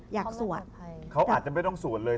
สวดเขาอาจจะไม่ต้องสวดเลย